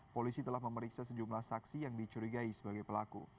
polisi telah memeriksa sejumlah saksi yang dicurigai sebagai pelaku